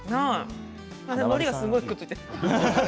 のりがすごくくっついている。